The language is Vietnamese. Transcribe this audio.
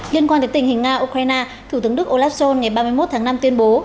liên quan tới tình hình nga ukraine thủ tướng đức olaf scholz ngày ba mươi một tháng năm tuyên bố